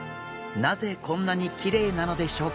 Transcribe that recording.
なぜこんなにきれいなのでしょうか？